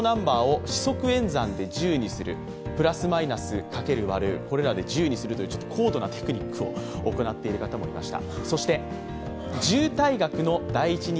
プラス、マイナス、掛ける、割るこれらで１０にするというちょっと高度なテクニックを行っている方もいました。